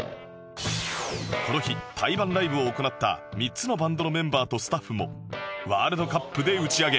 この日対バンライブを行った３つのバンドのメンバーとスタッフもワールドカップで打ち上げ